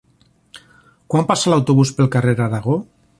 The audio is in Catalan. Quan passa l'autobús pel carrer Aragó?